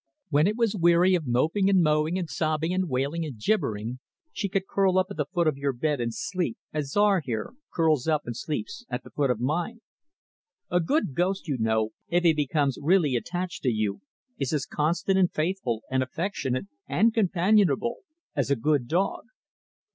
When it was weary of moping and mowing and sobbing and wailing and gibbering, she could curl up at the foot of your bed and sleep; as Czar, here, curls up and sleeps at the foot of mine. A good ghost, you know if he becomes really attached to you is as constant and faithful and affectionate and companionable as a good dog."